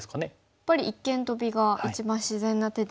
やっぱり一間トビが一番自然な手ですか。